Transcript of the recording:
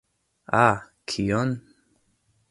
Ah? Kion?